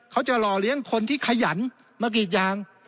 หล่อเลี้ยงคนที่ขยันมากรีดยาง